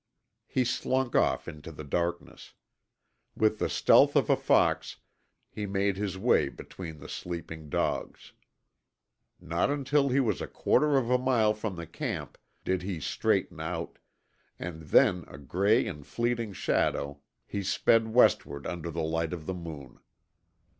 He slunk off into the darkness. With the stealth of a fox he made his way between the sleeping dogs. Not until he was a quarter of a mile from the camp did he straighten out, and then a gray and fleeting shadow he sped westward under the light of the moon.